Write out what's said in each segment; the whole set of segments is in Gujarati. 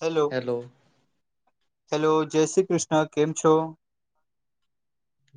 હેલો હેલો જય શ્રી કૃષ્ણ કેમ છો?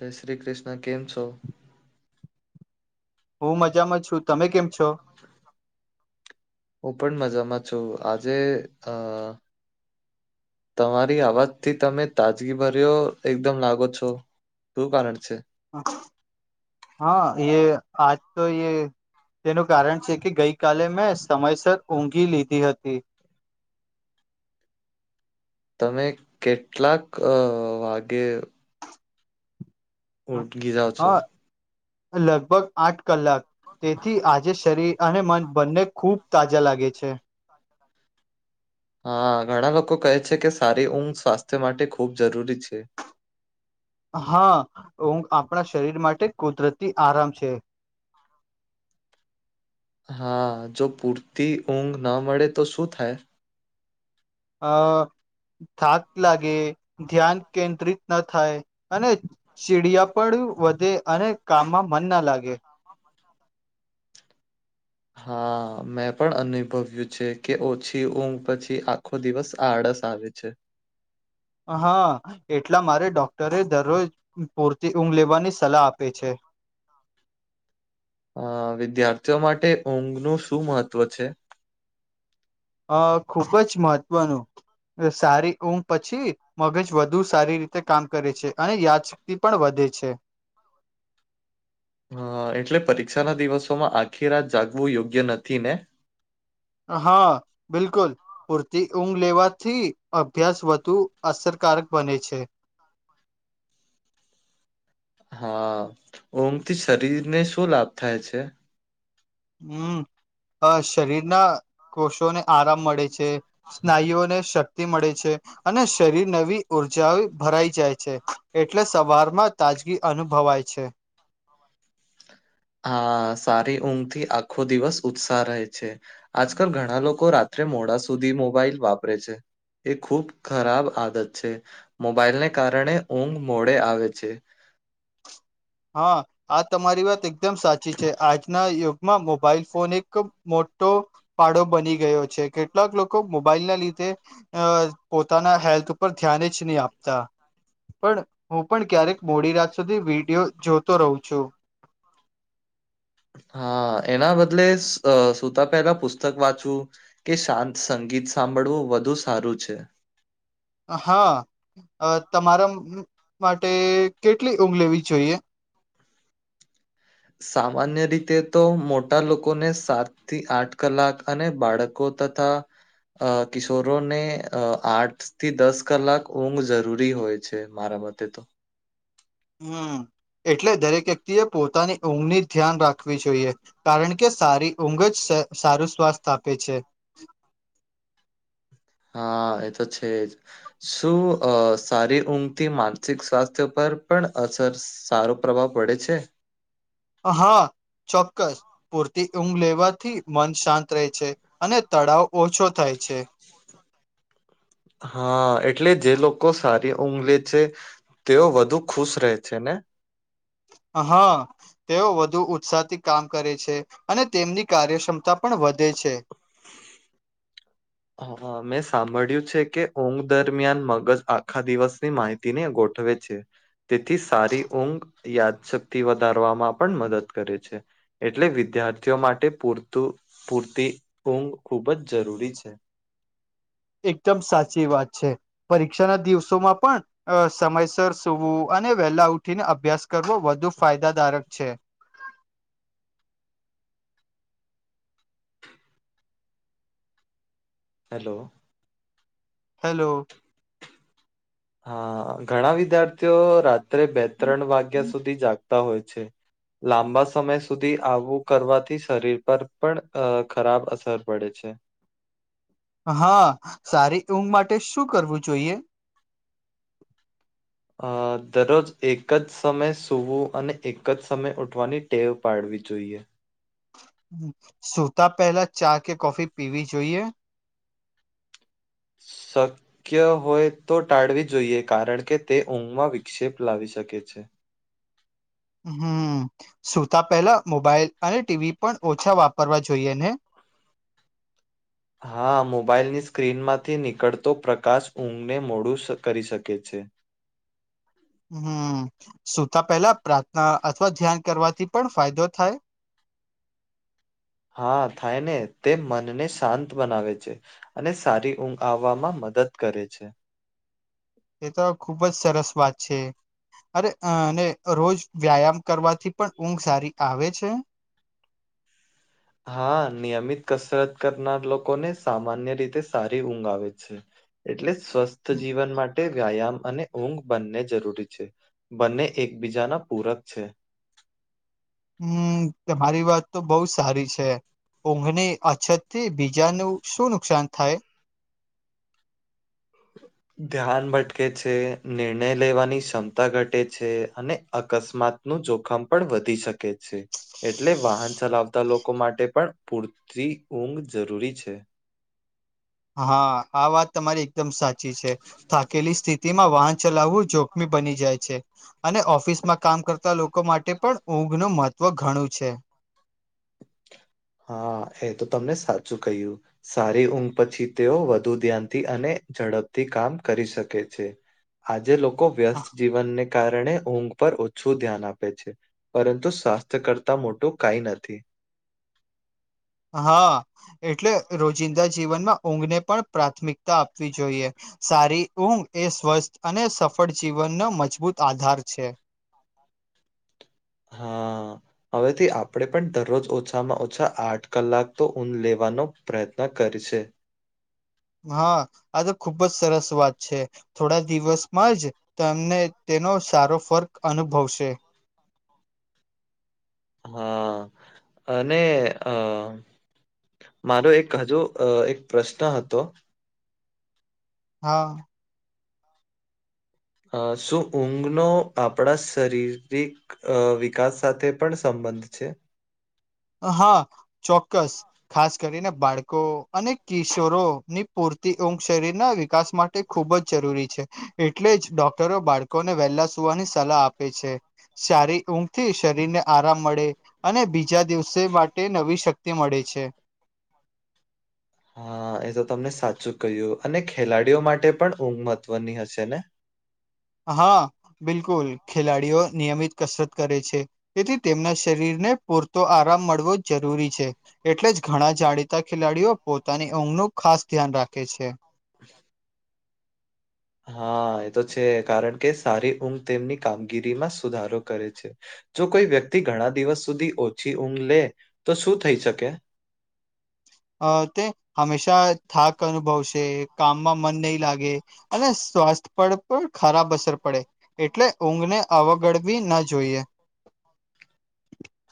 જય શ્રી કૃષ્ણ કેમ છો? હું મજામાં છું તમે કેમ છો? હું પણ મજામાં છું, આજે અ તમારી અવાજથી તમે તાજગી ભર્યો એકદમ લાગો છો. શું કારણ છે? હા એ આજ તો એ તેનું કારણ છે કે ગઈ કલે મેં સમયસર ઊઘી લીધી હતી. તમે કેટલાક વાગે ઉટગીજા છો હા લગભગ આઠ કલાક તેથી આજે શરીર અને મને બંને ખુબ તાજા લાગે છે. હા ઘણા લોકો કહે છે કે સારી ઊંઘ સ્વાસ્થ્ય માટે ખૂબ જરૂરી છે. હા આપણા શરીર માટે કુદરતી આરામ છે. હા જો પૂરતી ઊંઘ ના મળે તો શું થાય? અ થાક લાગે, ધ્યાન કેન્દ્રિત ન થાય, અને સીડિયા પણ વધે અને કામમાં મન ના લાગે. હા મેં પણ અનુભવ્યું છે કે ઓછી ઊંઘ પછી આ ખો દિવસ આળસ આવે છે. હા એટલા મારે ડોક્ટરે દરરોજ પૂરતી ઊંઘ લેવાની સલાહ આપે છે. અ વિદ્યાર્થીઓ માટે ઊંઘ નું શું મહત્વ છે? અ ખુબ જ મહત્વનું સારી ઉમ પછી મગજ વધુ સારી રીતે કામ કરે છે, અને યાદ સ ક્તિ પણ વધે છે. હ એટલે પરીક્ષા ના દિવસોમાં આખી રાત જાગવું યોગ્ય નથી ને? હા બિલકુલ પૂરતી ઊંઘ લેવાથી અભ્યાસ વધુ અસરકારક બને છે. હા ઊંઘ થી શરીર ને શું લાભ થાય છે? હમ શરીરના કોષોને આરામ મળે છે. સ્નાયુઓને શક્તિ મળે છે. અને શરીર નવી ઉર્જા ભરાઈ જાય છે, એટલે સવારમાં તાજગી અનુભવાય છે. હા સારી ઊંઘથી આખો દિવસ ઉત્સાહ રહે છે. આજકાલ ઘણા લોકો રાત્રે મોડા સુધી મોબાઈલ વાપરે છે. એ ખૂબ ખરાબ આદત છે મોબાઈલને કારણે ઊંઘ મોડે આવે છે. હા આ તમારી વાત એકદમ સાચી છે આજના યુગ ગ મા મોબાઈલ ફોન એક મોટો પાડો બની ગયો છે કેટલાક લોકો મોબાઈલ ના લીધે અ પોતાના હેલ્થ ઉપર ધ્યાન જ નહી આપતા. પણ હું પણ ક્યારેક મોડી રાત સુધી વિડીયો જોતો રહું છું. હા એના બદલે આ સુતા પહેલા પુસ્તક વાંચવું કે શાંત સંગીત સાંભળવું વધુ સારું છે. હા તમારા મા માટે કેટલી ઊંઘ લેવી જોઈએ. સામાન્ય રીતે તો મોટા લોકોને સાત થી આઠ કલાક અને બાળકો તથા અ કિશોરોને અ આર્ટ થી દસ કલાક ઊંઘ જરૂરી હોય છે મારા મતે તો. હમ્મ એટલે દરેક વ્યક્તિ એ પોતાની ઊંઘની ધ્યાન રાખવી જોઈએ. કારણ કે સારી ઊંઘ જ સા સારું સ્વાસ્થ આપે છે. હા એતો છે જ. શું આ સારી ઊંઘથી માનસિક સ્વાસ્થ્ય પર પણ અસર સારો પ્રભાવ પડે છે. હા ચોક્કસ. પૂરતી ઊંઘ લેવાથી મન શાંત રહે છે અને તનાવ ઓછો થાય છે. હા એટલે જે લોકો સારી ઊંઘ લે છે. તેઓ વધુ ખુશ રહે છે ને. હા. તેઓ વધુ ઉત્સાહ થી કામ કરે છે અને તેમની કાર્યક્ષમતા પણ વધે છે. હ હા મેં સાંભળ્યું છે કે ઊંઘ દરમિયાન મગજ આખા દિવસની માહિતી તી ને ગોઠવે છે. તેથી સારી ઊંઘ યાદશક્તિ વધારવામાં પણ મદદ કરે છે. એટલે વિદ્યાર્થીઓ માટે પૂરતું પૂરતી ઊંઘ ખૂબ જ જરૂરી છે. એકદમ સાચી વાત છે. પરીક્ષા ના દિવસોમાં પણ સમયસર સુવવું અને વહેલા ઉઠીને અભ્યાસ કરવો વધુ ફાયદાદારક છે. હેલો. હેલો. હા ઘણા વિદ્યાર્થીઓ રાત્રે બે ત્રણ વાગ્યા સુધી જાગતા હોય છે. લાંબા સમય સુધી આવું કરવાથી શરીર પર પણ અ ખરાબ અસર પડે છે. હા સારી એં માટે શું કરવું જોઈએ. અ દરરોજ એક જ સમય સૂવું અને એક જ સમય ઉઠવાની ટેવ પાડવી જોઈએ. સુતા પહેલા ચા કે કોફી પીવી જોઈએ. સત શક્ય હોય તો ટાળવી જોઈએ કારણ કે તે ઊંઘમાં વિક્ષેપ લાવી શકે છે. હમ્મ સુતા પહેલા મોબાઈલ અને ટીવી પણ ઓછા વાપરવા જોઈએ ને. હા મોબાઈલની સ્ક્રીન માંથી નીકળતો પ્રકાશ ઊંઘને મોડું કરી શકે છે. હમ્મ સુતા પેલા પ્રાર્થના અથવા ધ્યાન કરવાથી પણ ફાયદો થાય. હા થાય ને તે મનને શાંત બનાવે છે. અને સારી ઊંઘ આવવામાં મદદ કરે છે. એ તો ખુબ જ સરસ વાત છે. અરે અ અને રોજ વ્યાયામ કરવાથી પણ ઊંઘ સારી આવે છે. હા નિયમિત કસરત કરનાર લોકોને સામાન્ય રીતે સારી ઊંઘ આવે છે. એટલે સ્વસ્થ જીવન માટ માટે વ્યાયામ અને ઊંઘ બંને જરૂરી છે બંને એકબીજાના પૂરક છે. હમ્મ તમારી વાત તો બહુ સારી છે. ઊંઘની અછત થી બીજાનું શું નુકસાન થાય હ ધ્યાન ભટકે છે નિર્ણય લેવાની ક્ષમતા ઘટે છે અને અકસ્માત નું જોખમ પણ વધી શકે છે એટલે વાહન ચલાવતા લોકો માટે પણ પૂરતી ઊંઘ જરૂરી છે હા આ વાત તમારી એકદમ સાચી છે થાકેલી સ્થિતિ તેમાં વાહન ચલાવવું જોખમી બની જાય છે અને ઓફિસમાં કામ કરતા લોકો માટે પણ ઊંઘ ન મહત્વ ઘણું છે હા એ તો તમને સાચું કહ્યું સારી ઊંઘ પછી તેઓ વધુ ધ્યાનથી અને ઝડપથી કામ કરી શકે છે. આજે લોકો વ્યસ્ત જીવનને કારણે ઊંઘ પર ઓછું ધ્યાન આપે છે પરંતુ સ્વાસ્થ્ય કરતા મોટું કઈ નથી. હા એટલે રોજિંદા જીવનમાં ઊંઘને પણ પ્રાથમિકતા આપવી જોઈએ. સારી ઊંઘ એ સ્વસ્થ અને સફળ જીવનનો મજબૂત આધાર છે હા હવેથી આપણેે પણ દરરોજ ઓછામાં ઓછા આઠ કલાક તો ઊંધ લેવાનો પ્રયત્ન કર છે હા આ તો ખુબ જ સરસ વાત છે થોડા દિવસમાં જ તમને તેનો સારો ફર્ક અનુભવશે હા અને અ મારો એક હજુ એક પ્રશ્ન હતો. હા અ શું ઊંઘનો આપણા શરીરિક અ વિકાસ સાથે પણ સંબંધ છે. હા ચોક્કસ ખાસ કરીને બાળકો અને કિશોરો ની પૂરતી ઘ શરીર ના વિકાસ માટે ખુબ જ જરૂરી છે એટલે જ ડોક્ટરો બાળકોને વહેલા સુવાની સલાહ આપે છે. સારી ઊંઘ થી શરીર ને આરામ મળે અને બીજા દિવસે માટે નવી શક્તિ મળે છે. હા એ તો તમને સાચું કહ્યું અને ખેલાડીઓ માટે પણ ઊંઘ મહત્વની હશે ને હા બિલકુલ ખેલાડીઓ નિયમિત કસરત કરે છે. તેથી તેમના શરીરને પૂરતો આરામ મળવો જરૂરી છે. એટલે જ ઘણા જાણીતા ખેલાડીઓ પોતાની ઊંઘનું ખાસ ધ્યાન રાખે છે. હા એ તો છે કારણ કે સારી ઊંઘ તેમની કામગીરીમાં સુધારો કરે છે. જો કોઈ વ્યક્તિ ઘણા દિવસ સુધી ઓછી ઊંઘ લે તો શું થઈ શકે અ તે હંમેશા થાક અનુભવશે કામમાં મન નહીં લાગે અને સ્વાસ્થ્ય પર પણ ખરાબ અસર પડે એટલે ઊંઘ ને અવગડવી ના જોઈએ.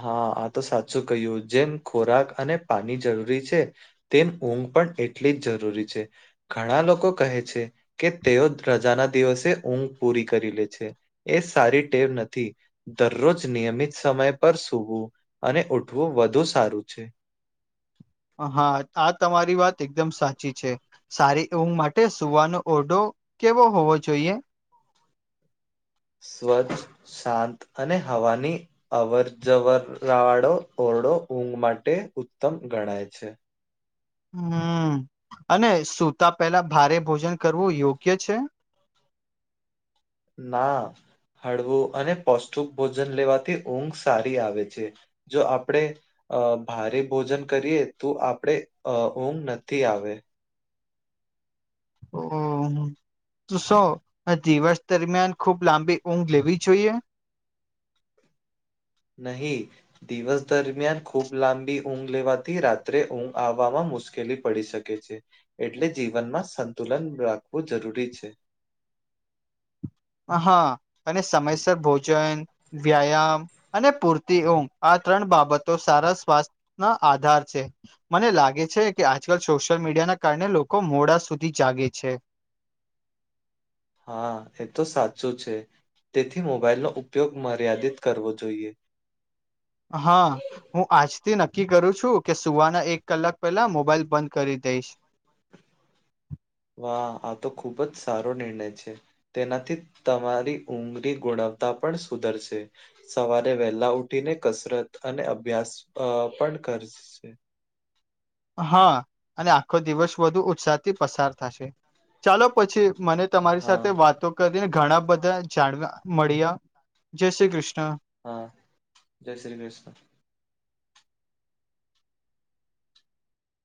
હા આ તો સાચું કહ્યું જેમ ખોરાક અને પાણી જરૂરી છે. તેમ ઊંઘ પણ એટલી જ જરૂરી છે. ઘણા લોકો કહે છે કે તેઓ રજાના દિવસે ઊંઘ પૂરી કરી લે છે. એ સારી ટેવ નથી દરરોજ નિયમિત સમય પર સૂવું અને ઉઠવું વધુ સારું છે. હા આ તમારી વાત એકદમ સાચી છે. સારી ઊંઘ માટે સુવાનો ઓરઢો કેવો હોવો જોઈએ. સ્વચ્છ શાંત અને હવાની અવર જવર વાળો ઓરડો ઊંઘ માટે ઉત્તમ ગણાય છે. હમ અને સ સુતા પેલા ભારે ભોજન કરવું યોગ્ય છે. ના હળવું અને પૌષ્ટિક ભોજન લેવાથી ઊંઘ સારી આવે છે. જો આપણેે અ ભારે ભોજન કરીએ તો આપણેે અ ઊંઘ નથી આવે ઓ તો સો દિવસ દરમિયાન ખુબ લાંબી ઊંઘ લેવી જોઈએ. નહી દિવસ દરમિયાન ખૂબ લાંબી ઊંઘ લેવાથી રાત્રે ઊંઘ આવવામાં મુશ્કેલી પડી શકે કે છે એટલે જીવનમાં સંતુલન રાખવું જરૂરી છે. હા અને સમયસર ભોજન વ્યાયામ અને પૂરતી ઉઘ આ ત્રણ બાબતો સારા સ્વાસ્થ્ય ના આધાર છે. મને લાગે છે કે આજકાલ સોશિયલ મીડિયા ના કારણે લોકો મોડા સુધી જાગે છે. હા એ તો સાચું છે તેથી મોબાઈલનો ઉપયોગ મર્યાદિત કરવો જોઈએ. હા હું આજથી નક્કી કરું છું કે સુવાના એક કલાક પહેલા મોબાઈલ બંધ કરી દઈશ. વાહ આ તો ખુબ જ સારો નિર્ણય છે. તેનાથી તમારી ઊઘરી ગુણવત્તા પણ સુધરશે સવારે વહેલા ઉઠીને કસરત અને અભ્યાસ અ પણ કરશે. હા અને આખો દિવસ વધુ ઉત્સાહ થી પસાર થશે ચાલો પછી મને તમારી હા સાથે વાતો કરીને ઘણા બધા જાણવા મળ્યા જય શ્રી કૃષ્ણ. હા જય શ્રી કૃષ્ણ.